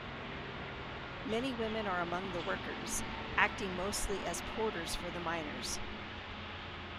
Many women are among the workers, acting mostly as porters for the miners.